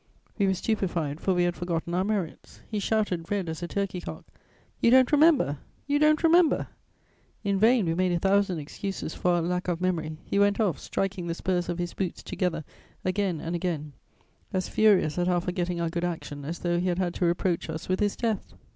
We were stupefied, for we had forgotten our merits; he shouted, red as a turkey cock: "You don't remember?... You don't remember?..." In vain we made a thousand excuses for our lack of memory; he went off, striking the spurs of his boots together again and again, as furious at our forgetting our good action as though he had had to reproach us with his death.